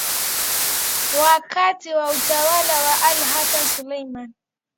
wakati wa utawala wa Al Hassan Sulaiman